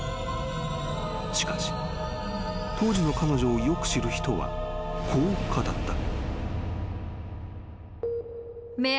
［しかし当時の彼女をよく知る人はこう語った］